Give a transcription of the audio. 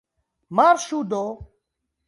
Marŝu do!